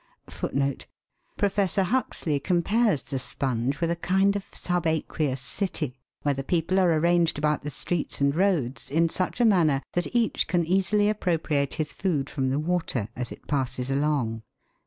Professor Huxley compares the sponge with a kind of subaqueous city, where the people are arranged about the streets and roads in such a manner that each can easily appropriate his food from the water as it passes along.